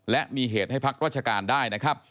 และมีเหตุให้พักราชการได้นะครับ